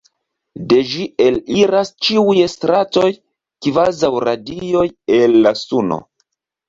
De ĝi eliras ĉiuj stratoj kvazaŭ radioj el la suno.